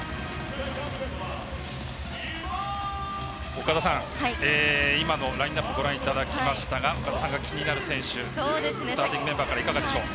岡田さん、今のラインアップをご覧いただきましたが岡田さんが気になる選手スターティングメンバーからいかがでしょう？